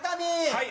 はい。